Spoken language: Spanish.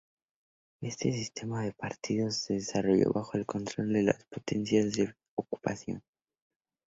Este sistema de partidos se desarrolló bajo el control de las potencias de ocupación.